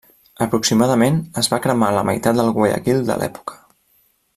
Aproximadament, es va cremar la meitat del Guayaquil de l'època.